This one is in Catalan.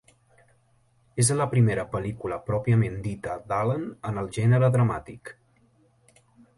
És la primera pel·lícula pròpiament dita d'Allen en el gènere dramàtic.